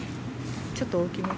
ちょっと大きめの。